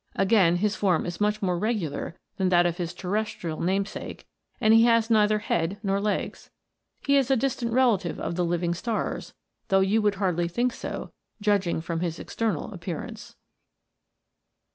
Again, his form is much more regular than that of his terrestrial namesake, and he has neither head nor legs. He is a distant relative of the living stars, though you would hardly think so, judging from his external appearance.